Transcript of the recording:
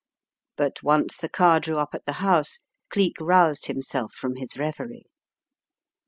But once the car drew up at the house, Cleek roused himself from his reverie.